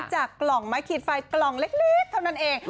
จากกล่องไม้ขีดไฟกล่องเล็กเท่านั้นเอง